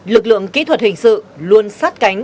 lực lượng kỹ thuật hình sự luôn sát cánh